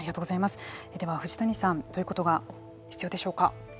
では藤谷さん、どういうことが必要でしょうか。